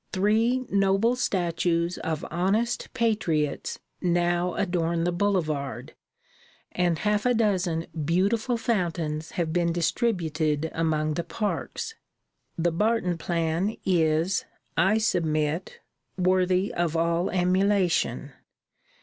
Three noble statues of honest patriots now adorn the boulevard, and half a dozen beautiful fountains have been distributed among the parks. The Barton plan is, I submit, worthy of all emulation.